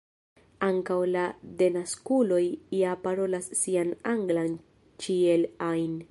ankaŭ la denaskuloj ja parolas sian anglan ĉiel ajn.